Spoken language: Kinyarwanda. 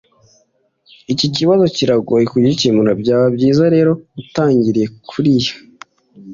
Iki kibazo kiragoye kugikemura. Byaba byiza rero utangiriye kuriya.